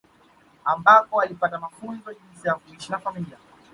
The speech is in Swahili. Ambako walipata mafunzo jinsi ya kuishi na familia